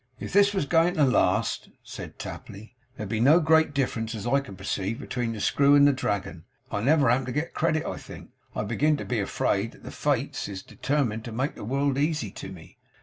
'If this was going to last,' said Tapley, 'there'd be no great difference as I can perceive, between the Screw and the Dragon. I never am to get credit, I think. I begin to be afraid that the Fates is determined to make the world easy to me.